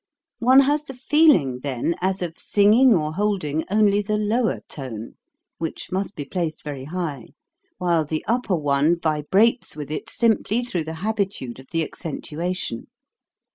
One has the feeling then as of singing or holding only the lower tone (which must be placed very high), while the upper one vibrates with it simply through the habitude of the TRILL 261 accentuation.